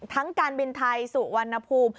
ทั้งการบินไทยสู่วรรณภูมิ